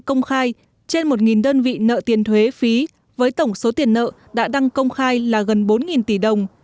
công khai trên một đơn vị nợ tiền thuế phí với tổng số tiền nợ đã đăng công khai là gần bốn tỷ đồng